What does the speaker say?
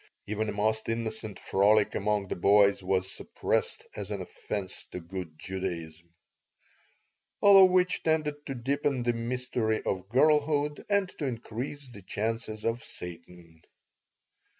Even a most innocent frolic among the boys was suppressed as an offense to good Judaism All of which tended to deepen the mystery of girlhood and to increase the chances of Satan.